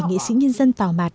nghị sĩ nhân dân tào mạt